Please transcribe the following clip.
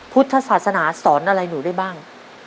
พุทธศาสนาสอนอะไรหนูได้บ้าง